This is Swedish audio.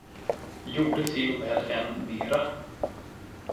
Gjorde till och med än mera.